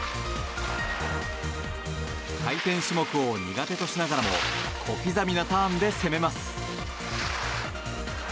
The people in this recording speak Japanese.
回転種目を苦手としながらも小刻みなターンで攻めます。